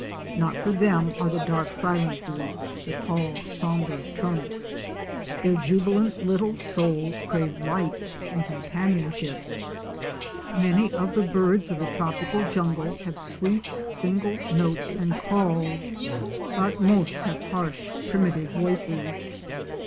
Not for them are the dark silences, the tall sombre trunks. Their jubilant little souls crave light and companionship. Many of the birds of 308 OUR SEARCH FOR A WILDERNESS. the tropical jungle have swect single notes and calls — but most have harsh primitive voices.